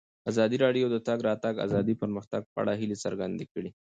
ازادي راډیو د د تګ راتګ ازادي د پرمختګ په اړه هیله څرګنده کړې.